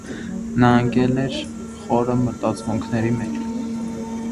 Նա ընկել էր խորը մտածմունքների մեջ: